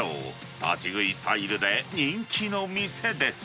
立ち食いスタイルで人気の店です。